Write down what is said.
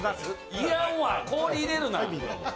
いらんわ、氷入れるな。